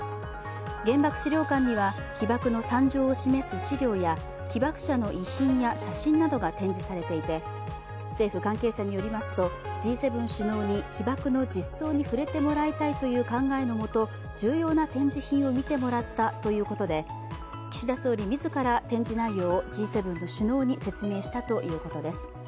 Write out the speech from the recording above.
原爆資料館には被爆の惨状を示す資料や被爆者の遺品や写真などが展示されていて政府関係者によりますとＧ７首脳に被爆の実相に触れてもらいたいという考えのもと、重要な展示品を見てもらったということで岸田総理自ら、展示内容をＧ７の首脳に説明したということです。